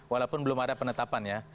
walaupun belum ada penetapan ya